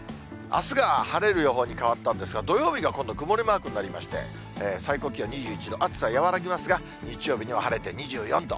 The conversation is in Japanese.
あすが晴れる予報に変わったんですが、土曜日が今度は曇りマークになりまして、最高気温２１度、暑さ和らぎますが、日曜日には晴れて２４度。